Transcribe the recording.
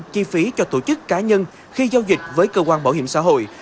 ký cho tổ chức cá nhân khi giao dịch với cơ quan bảo hiểm xã hội